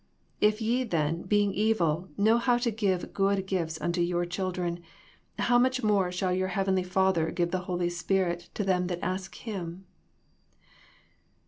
If ye then, being evil, know how to give good gifts unto your children, how much more shall your heavenly Father give the Holy Spirit to them that ask Him?